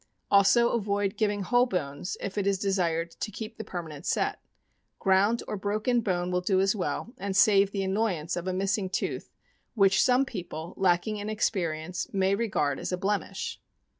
Also avoid giving whole bones if it is desired to keep the permanent set; ground or broken bone will do as well, and save the annoy ance of a missing tooth, which some people — lacking in experience — may regard as a blemish.